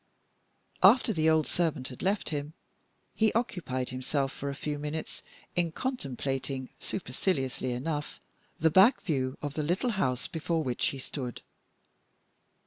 After the old servant had left him, he occupied himself for a few minutes in contemplating, superciliously enough, the back view of the little house before which he stood.